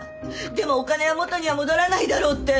でもお金は元には戻らないだろうって。